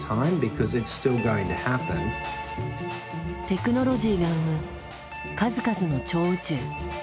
テクノロジーが生む数々の超宇宙。